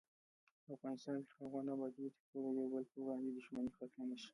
افغانستان تر هغو نه ابادیږي، ترڅو د یو بل پر وړاندې دښمني ختمه نشي.